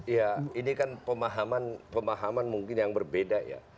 ya ini kan pemahaman mungkin yang berbeda ya